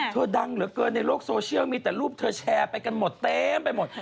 ดังเหลือเกินในโลกโซเชียลมีแต่รูปเธอแชร์ไปกันหมดเต็มไปหมด